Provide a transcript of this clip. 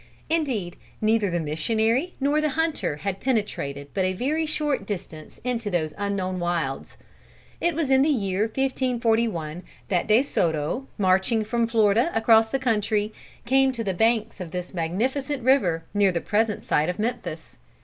Indeed neither the missionary nor the hunter had penetrated but a very short distance into those unknown wilds. It was in the year 1541 that De Soto, marching from Florida across the country, came to the banks of this magnificent river, near the present site of Memphis.